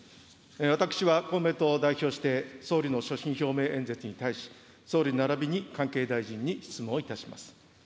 私は公明党を代表して、総理の所信表明演説に対し、総理ならびに関係大臣に質問をいたします。